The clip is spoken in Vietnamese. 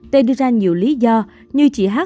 t đưa ra nhiều lý do như chị h